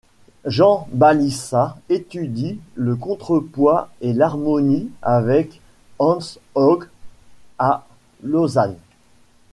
Jean Balissat étudie le contrepoint et l'harmonie avec Hans Haug, à Lausanne.